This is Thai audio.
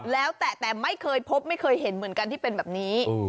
แล้วแต่แต่ไม่เคยพบไม่เคยเห็นเหมือนกันที่เป็นแบบนี้